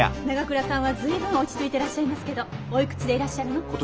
永倉さんは随分落ち着いてらっしゃいますけどおいくつでいらっしゃるの？